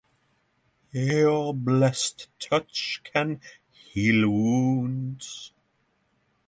Your blessed touch can heal wounds.